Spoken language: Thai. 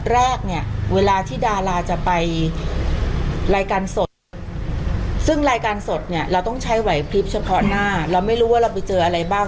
แล้วไม่รู้ว่าเราไปเจออะไรบ้าง